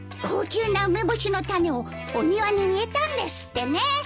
高級な梅干しの種をお庭に植えたんですってね。